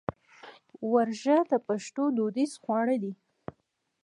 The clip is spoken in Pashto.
ورږۀ د پښتنو دوديز خواړۀ دي